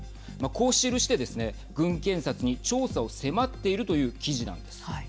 こう記してですね、軍検察に調査を迫っているという記事なんです。